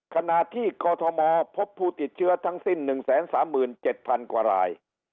ขณะที่กอทมพบผู้ติดเชื้อทั้งสิ้น๑๓๗๐๐กว่าราย